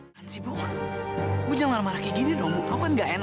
sampai jumpa di video selanjutnya